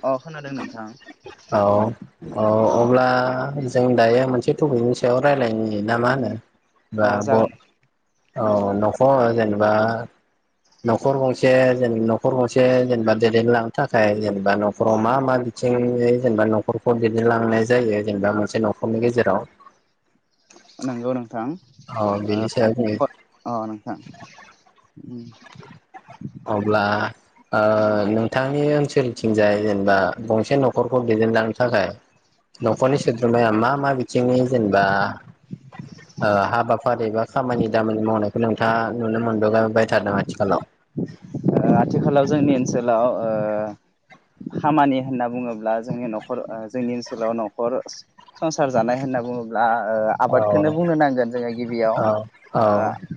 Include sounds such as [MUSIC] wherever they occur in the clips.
अ खोनादों नोंथां औ औ अब्ला जों दायो मोनसे थफिगनि सायाव रायलायनि ना मा होनो अ राब' औ जागोन न'खर ओ जेनेबा न'खर गंसे जे न'खर गंसे जेनेबा दैदेनलांनो थाखाय जेनेबा नखराव मा मा बिथिङै जेनेबा नखरखौ दैदेनलांनाय जायो जेनेबा मोनसे नखरनि गेजेराव नोंगौ नोंथां औ बेनि सायाव जोङो [UNINTELLIGIBLE] अ नोंथां उम अब्ला ओ नोंथांनि ओनसोलथिंजाय जेनेबा गंसे नखरखौ दैदेनलांनो थाखाय न'खरनि सोद्रोमाया मा मा बिथिंनि जेनेबा ओ हाबाफारि बा खामानि दामानि मावनायखौ नोंथाङा नुनो मोनबो बाय थादों आथिखालाव आथिखालाव जोंनि ओनसोलाव ओ खामानि होनना बुङोब्ला जोंनि नखर ओ जोंनि ओनसोलाव नखर संसार जानाय होनना बुङोब्ला ओ औ आबादखोनो बुंनो नांगोन जोङो गिबियाव औ औ ओ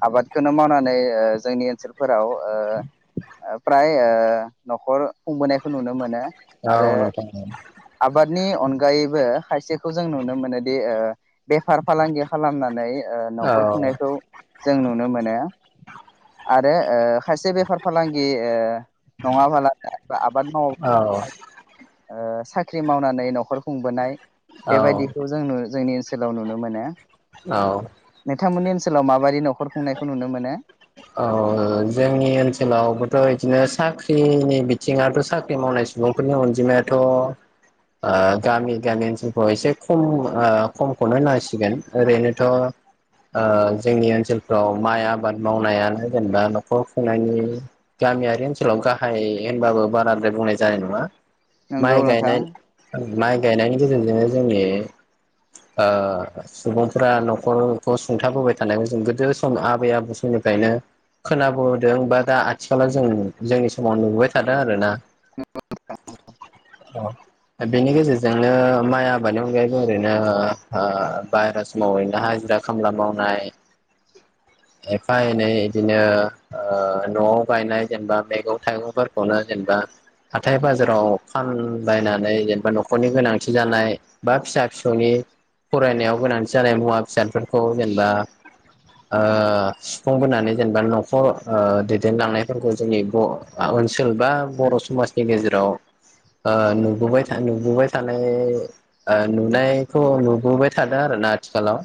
आबाद बेखौनो मावनानै ओ जोंनि ओनसोलफोराव ओ फ्राय ओ नखर खुंबोनायखौ नुनो मोनो औ नोंथां औ नि अनगायैबो खायसेखौ जों नुनो मोनोदि ओ बेफार फालांगि खालामनानै ओ औ नखर खुंनायखौ जों नुनो मोनो नो आरो ओ खायसे बेफार‌ फालांगि कि ओ नङाबाला आबाद मावो औ ओ साख्रि मावनानै नखर खुंबोनाय औ बेबायदिखौ जोंनो जोंनि ओ ओनसोलाव नुनो मोनो औ नोंथांमोननि ओनसोलाव माबादि नखर खुंनायखौ नुनो मोनो ओ जोंनि ओनसोलावबोथ' इदिनो साख्रिनि बिथिङथ' साख्रि मावनाय सुबुंफोरनि अनजिमायाथ' ओ गामि गामि ओनसोलफ्राव एसे खम ओ खमखौनो नांसिगोन ओरैनोथ' ओ जोंनि ओनसोलफ्राव माइ आबाद मावनायानो जेनेबा नखर खुंनायनि गामियारि ओनसोलाव गाहाय होनबाबो बाराद्राय बुंनाय जानाय नङा नोंगौ माइ नोंथां गायनाय माइ गायनायनि गेजेरजोंनो जोंनि ओ सुबुंफोरा न'खरखौ सुंथाबोबाय थानाय जों गोदो सम आबै आबौ सम समनिफ्रायनो खोनाबोदों बा दा आथिखालाव जों जोंनि समाव नुुबाय थादों आरोना [UNINTELLIGIBLE] अ बेनि गेजेरजोंनो माइ आबादनि अनगायैबो ओरैनो ओ बायेरा समावैनो हाजिरा खामला मावनाय। एफा एनै बिदिनो ओ न'आव गायनाय जेनेबा मैगं थाइगंफोरखौनो जेनेबा हाथाय बाजाराव फानबायायनानै जेनेबा न'खरनि गोनांथि जानाय बा फिसा फिसौनि फरायनायाव गोनांथि जानाय मुवा फिसादफोरखौ जेनेबा सुफुंबोनानै जेनेबा न'खर ओ दैदेनलांनायफोरखौ जोंनि ओनसोल बा बर' समाजनि गेजेराव ओ नुबोबाय नुबोबाय थानाय नुनायखौ नुबोबाय थादों आरोना आथिखालाव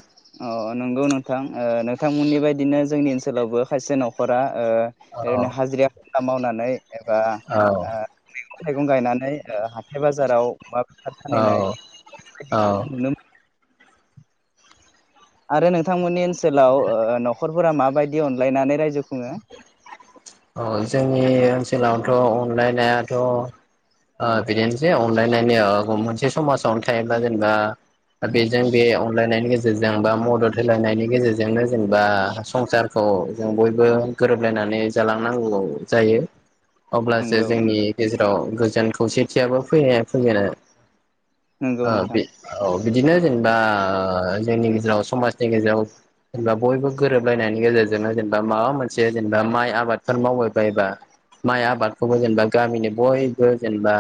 अ नंगौ नोंथां ओ नोंथांमोननि बायदिनो जोंनि ओनसोलावबो खायसे न'खरा ओ औ ओरैनो हाजिरा मावनानै एबा औ ओ [UNINTELLIGIBLE] थाइगं गायनानै ओ हाथाय बाजाराव अमा औ फास-फानहैनाय औ बेखौ नुनो आरो नोंथांमोननि ओनसोलाव ओ न'खरफोरा माबायदि अनलायनानै रायजो खुङो अ जोंनि ओनसोलावथ' अनलायनायाथ' ओ बिदिनोसै अनलायनायनि ओ [UNINTELLIGIBLE] मोनसे समाजावनो थायोब्ला जेनेबा दा बेजों बे अनलायनायनि गेजेरजों बा मदद हो अनलायनायनि गेजेरजोंनो जेनेबा संसारखौ जों बयबो गोरोबलायनानै जालांनांगौ जायो अब्लासो नंगौ जोंनि नोंथां गेजेराव गोजो गोजोन खौसेथियाबो फैनाया फैयोआरोना। नंगौ आ नोंथां बे औ बिदिनो जेनेबा अ जोंनि गेजेराव समाजनि गेजेराव जेनेबा बयबो गोरोबलायनायनि गेजेरजोंनो जेनेबा माबा मोनसे जेनेबा माइ आ बादफोर मावबायबायोबा माइ आबादखौबो जेनेबा गामिनि बयबो जेनेबा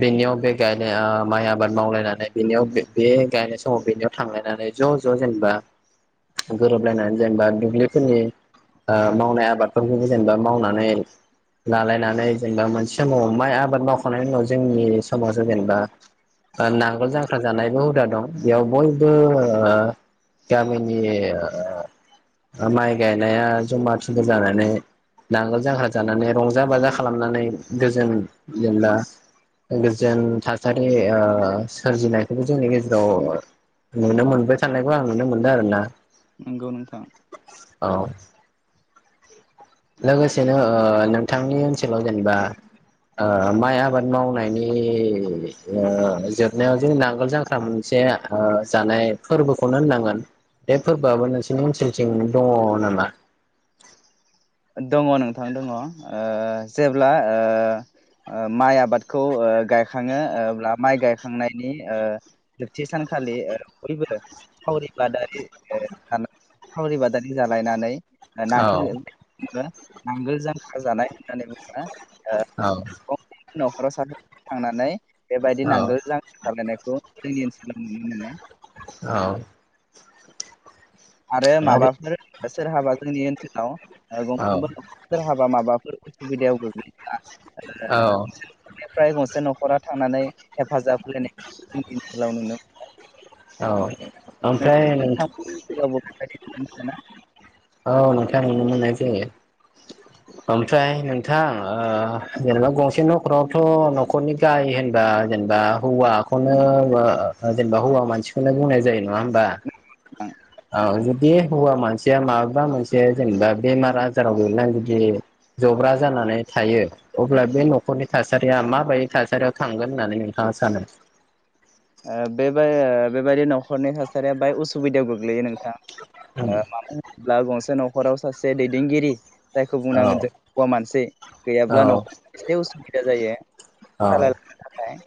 बेनियाव बे गायनाय माइ आबाद मावलायनानै बेनियाव बे गायनाय समाव बेनियाव थांलायनानै ज' ज' जेनेबा गोरोबलायनानै जेनेबा दुब्लिफोरनि अ मावनाय आबादफोरनि जेनेबा मावनानै लालायनानै जेनेबा मोनसे समाव माइ आबाद मावखांनायनि उनाव जोंनि समावो जेनेबा अ नांगोल जांख्रा जानायबो हुदा दं बेयाव बयबो अ गामिनि माइ गायनाया जमा थुर जानानै नांगोल जांख्रा जानानै रंजा बाजा खालामनानै गोजोन जेनेबा गोजोन थासारि अ सोरजिनायखौबो जोंनि गेजेराव नुनो मोनबाय थानायखौ आं नुनो मोनदों आरो ना नंगौ नोंथां औ लोगोसेनो अ नोंथांनि ओनसोलाव जेनेबा अ माइ आबाद मावनायनि अ जोबनायाव जे नांगोल जांख्रा मोनसे अ जानाय फोरबोखौनो होननांगोन बे फोरबोआबो नोंसोरनि ओनसोलथिं दङ नामा दङ नोंथां दङ अ जेब्ला अ अ माइ आबादखौ अ गायखाङो अ अब्ला माइ गायखांनायनि अ जोबथि सानखालि अ बयबो सावरि बादारि अ सावरि बादारि जालायनानै [UNINTELLIGIBLE] जेनेबा नांगोल जांख्रा जानाय होननानै औ बुङो [UNINTELLIGIBLE] नखराव सासे थांनानै बेबायदि औ नांगोल जांख्रा जानायखौ जोंनि ओनसोलाव नुनो मोनो औ आरो माबाफोर सोरहाबा जोंनि ओनसोलाव अ औ गंफ्रोमबो न'खराव सोरहाबा माबाफोर सुबिदायाव गोग्लैयो औ फ्राय गंसे न'खरा थांनानै हेफाजाब होलायनायखौ जोंनि ओनसोलाव नुनो मोनो औ ओमफ्राय नोंसोर नोंथां नोंथांमोननि [UNINTELLIGIBLE] औ नोंथां नुनो मोननाय जायो ओमफ्राय नोंथां अ जेनेबा गंसे न'खरावथ' न'खरनि गाहाय होनबा जेनेबा हौवाखौनो अ जेनेबा हौवा मानसिखौनो बुंनाय जायो नङा होमबा? उ औ जुदि हौवा मानसिया माबा मोनसे जेनेबा बेमार आजाराव गोलैनानै जुदि जब्रा जानानै थायो अब्ला बे न'खरनि थासारिया माबायदि थासारियाव थांगोन होननानै नोंथाङा सानो अ बे बाय बे बेबायदि न'खरनि थासारिया बाहाय उसुबिदायाव गोग्लैयो नोंथां। अ मानो होनब्ला गंसे न' खराव सासे दैदेनगिरि जायखौ औ बुंनांगोन जों हौवा मानसि औ गैयाब्ला न'खराव एसे उसुबिदा जायो औ सालायलांनो थाखाय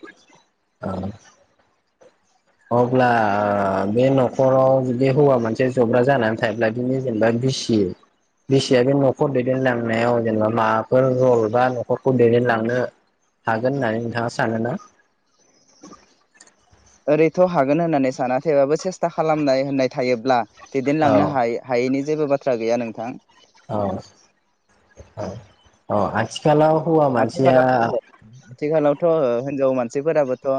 औ अब्ला अ बे न'खराव जुदि हौवा मानसि जब्रा जानानै थाब्लादि बिनि जेनेबा बिसि बिसिया बे न'खर दैदेनलांनायाव जेनेबा माबाफोर रल बा न'खरखौ दैदेनलांनो हागोन होननानै नोंथाङा सानोना ओरैथ' हागोन होननानै सानाखैबाबो सेस्था खालामनाय होननाय थायोब्ला औ दैदेनलांनो हा हायैनि जेबो बाथ्रा गैया नोंथां औ औ औ आथि आथिखालाव हौवा मानसिया आथिखालाव आथिखालावथ' हिनजाव मानसिफोराबोथ' ओ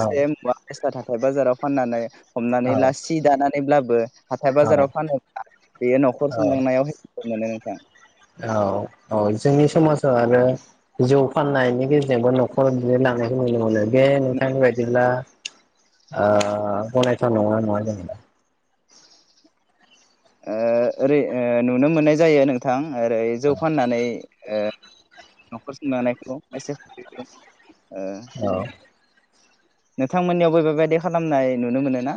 औ मुवा बेसाद हाथाय बाजाराव फाननानै हमनानै ला सि दानानै ब्लाबो हाथाय बाजाराव फानोब्ला बेयो न'खर सुंलांनायावहाय मोनो नोंथां औ औ जोंनि समाजाव आरो जौ फाननायनि गेजेरजोंबो न'खर बिदि लांनायखौ नुनो मोनो बे नोंथांनि बायदिब्ला ओ गनायथाव नगौना नङा जेनेबा ओ ओरै नुनो मोननाय जायो नोंथां ओरै जौ फाननानै ओ न'खर सुंलांनायखौ [UNINTELLIGIBLE] ओ औ नोंथांमोननियाव बे बेबायदि खालामनाय नुनो मोनो ना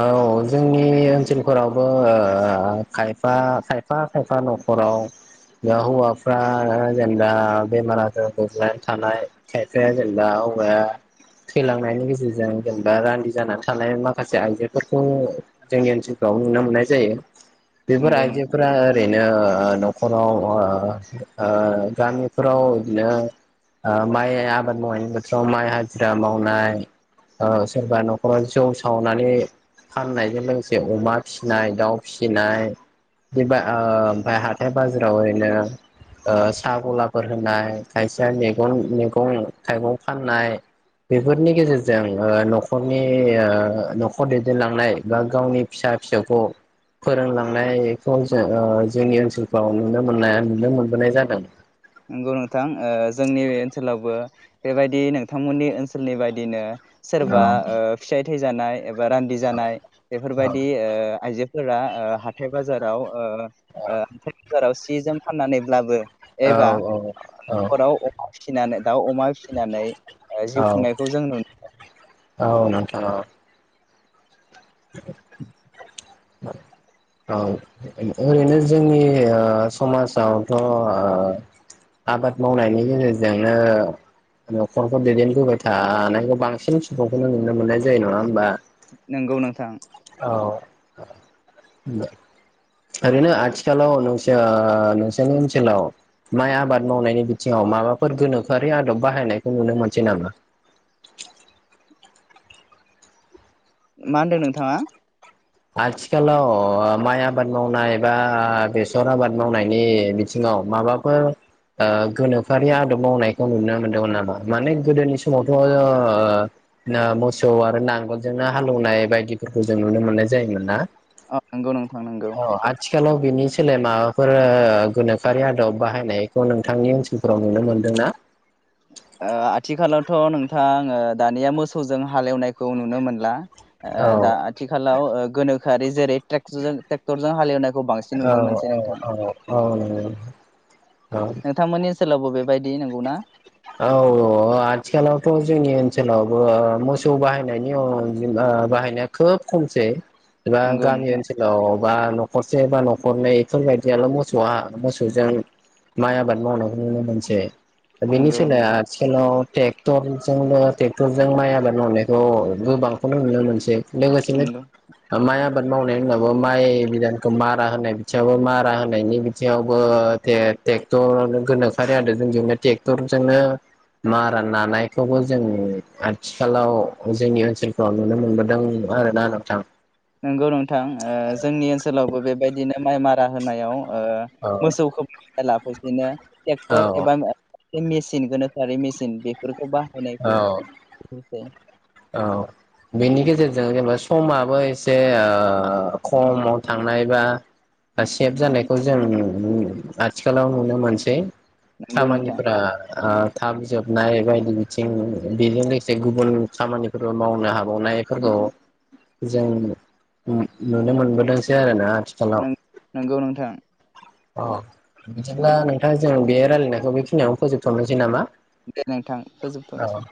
औ जोंनि ओनसोलफोरावबो खायफा खायफा खायफा न'खराव दा हौवाफ्रा जेनेबा बेमार आजार गोग्लनानै थानाय खायफाया जेनेबा हौवाया थैलांनायनि गेजेरजों जेनेबा रान्दि जानानै थानाय माखासे माखासे आयजोफोरखौ जोंनि ओनसोलफ्राव नुनो मोननाय जायो बेफोर नंगौ नोंथां आइजोफोरा ओरैनो नखराव ओ ओ गामिफोराव ओ बिदिनो माइ आबाद मावनायनि बोथोराव माइ हाजिरा मावनाय ओ सोरबा नख'राव जौ सावनानै फाननायजों लोगोसे अमा फिसिनाय दाउ फिसिनाय बि ओ ओमफाय हाथथाय बाजाराव ओरैनो ओ साहा गलाफोर होनाय खायसेया मैगं मैगं थाइगं फाननाय बेफोरनि गेजेरजों न'खरनि ओ न'खर दैदेनलांनाय बा गावनि फिसा फिसौखौ फोरोंलांनायखौ जों जोंनि ओनसोलफ्राव नुनो मोननाय नुनो मोनबोनाय जादों नंगौ नोंथां ओ जोंनि ओनसोलावबो बेबायदि नोंथांमोननि ओनसोलनि बायदिनो सोरबा औ ओ फिसाय थैजानाय एबा रान्दि जानाय औ बेफोरबायदि ओ आइजो फोरा ओ हाथाय बाजाराव अ ओ बाजाराव सि जोम फाननानैब्लाबो औ एबा औ औ नखराव अमा फिसि दाउ अमा फिसिनानै ओ औ जिउ खुंनायखौ जों नु औ नोंथां औ [INAUDIBLE] औ ओरैनो जोंनि ओ समाजावथ' ओ आबाद मावनायनि गेजेरजोंनो न'खरखौ दैदेनबोबाय थानायखौ बांसिन सुुखौनो नुनो मोननाय जायो नङा होम्बा नंगौ नोंथां औ ओरैनो आथिखालाव नोंसोर नोंसोरनि ओनसोलाव माइ आबाद मावनायनि बिथिङाव माबाफोर गोनोखोआरि आदब बाहायनायखौ नुनो मोनसै नामा मा होनदों नोंथाङा आथिखालाव माइ आबाद मावनाय बा बेसर आबाद मावनायनि बिथिङाव माबाफोर ओ गोनोखोआरि आदब मावनायखौ नुनो मोनदोंमोन नामा? माने गोदोनि समावथ' ओ मोसौ आरो नांगोलजोंनो हालौनाय बायदिफोरखौ जों नुनो मोननाय जायो जायोमोन ना औ नंगौ नोंथां नंगौ खालाव बिनि सोलायमाफोर ओ गोनोखोआरि आदब बाहायनायखौ नोंथांनि ओनसोलफोराव नुनो मोनदोंना? ओ आथिखालावथ' नोंथां ओ दानिया मोसौजों हालेवनायखौ नुनो मोनला ओ औ दा आथिखालाव गोनो खोआरि जेरै‌ ट्रेक्ट टेक्टरजों हालेवनाय औ औ औ औ औ सोलावबो बेबायदि नंगौ ना औ औ आथिखालावथ' जोंनि ओनसोलावबो मोसौ बाहायनायनि अनजिमा बाहायनाया खोब खमसै एबा नंगौ गामि नोंथां ओनसोलाव बा न'खरसे बा न'खरनै बेफोरबायदियाल' मोसौआ मोसौजों माइ आबाद मावनायखौ नुनो मोनसै बेनि नंगौ सोलाय‌ नोंथां आथिखालाव टेक्टरजोंबो टेक्टर जों माइ आबाद मावनायखौ गोबांखौनो नुनो मोनसै लोगोसेनो नंगौ। ओ माइ आबाद मावनाय जोंनाबो माइ बिदानखौ मारा होनाय बिथिङावबो मारा होनायनि बिथिङावबो टेक ट्रेक्टर गोनोखोयारि आदबजोंनो ट्रेक्टर जोंनो मारा नानायखौबो जों आथिखालाव जोंनि ओनसोलफ्राव नुनो मोनबोदों आरोना नोंथां नंगौ नोंथां ओ जोंनि ओनसोलावबो बेबायदिनो माइ मारा होनायाव ओ औ मोसौखौ लाफुसिनो औ ट्रेक्टर एबा बे मेसिन गोनोखोआरि मेसिन बेफोरखौबा औ औ बेनि गेजेरजों जेनेबा सु समाबो एसे ओ खमाव थांनाय बा सेभ जानायखौ जों आथिखालाव नुनो मोनसै नंगौ नोंथां। खामानिफोरा ओ थाब जोब नाय बायदिनि थिं बेजों लोगोसे गुबुन खामानिफोरबो मावनो हाबावनायफोरखौ जों नुनो मोनबोदोंसो आरोना आथिखालाव नों नंगौ नोंथां अ बिदिब्ला नोंथां जों बे रायलायनायखौ बेखिनियावनो फोजोबथ'नोसै नामा दे नोंथां फोजोबथ'नोसै